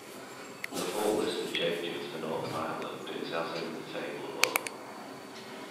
The full list of changes for Northern Ireland is as in the table above.